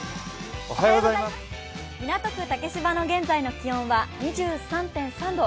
港区竹芝の現在の気温は２３．３度。